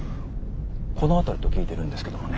この辺りと聞いてるんですけどもね。